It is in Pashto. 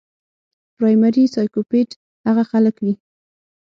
پرايمري سايکوپېت هغه خلک وي